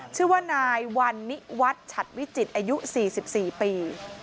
ชื่อว่านายวันนิวัฒน์ฉัดวิจิตรอายุ๔๔ปี